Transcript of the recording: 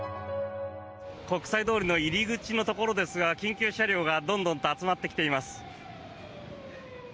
国際通りの入り口のところですが緊急車両がどんどんと集まってきています。